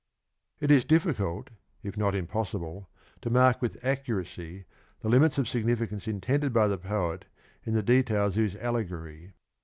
It is difficult, if not impossible, to mark with accuracy the limits of significance intended by the poet in the details of his allegory.